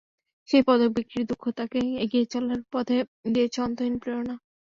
সেই পদক বিক্রির দুঃখ তাঁকে এগিয়ে চলার পথে দিয়েছে অন্তহীন প্রেরণা।